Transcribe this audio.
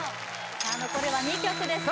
さあ残りは２曲です